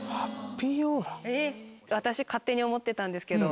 私勝手に思ってたんですけど。